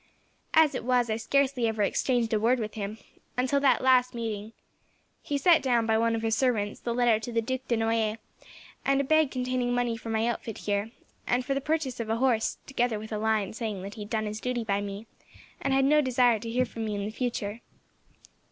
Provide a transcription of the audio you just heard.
As it was, I scarcely ever exchanged a word with him, until that last meeting. He sent down, by one of his servants, the letter to the Duc de Noailles, and a bag containing money for my outfit here, and for the purchase of a horse, together with a line saying that he had done his duty by me, and had no desire to hear from me in the future.